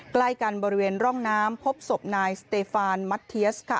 ใกล้กันบริเวณร่องน้ำพบศพนายสเตฟานมัดเทียสค่ะ